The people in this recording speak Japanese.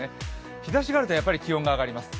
日ざしがあるとやっぱり気温が上がります。